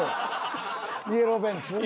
イエローベンツ？